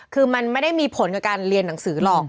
คือมันไม่ได้มีผลกับการเรียนหนังสือหรอก